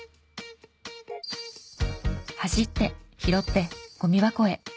走って拾ってゴミ箱へ。